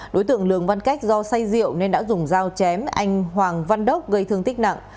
đối tượng lường văn cách do say rượu nên đã dùng dao chém anh hoàng văn đốc gây thương tích nặng